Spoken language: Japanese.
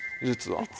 実は。